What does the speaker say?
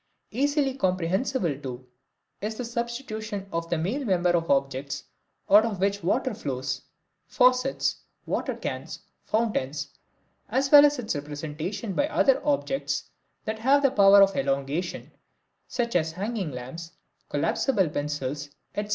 Easily comprehensible, too, is the substitution for the male member of objects out of which water flows: faucets, water cans, fountains, as well as its representation by other objects that have the power of elongation, such as hanging lamps, collapsible pencils, etc.